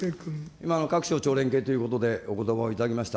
今、各省庁連携ということで、おことばを頂きました。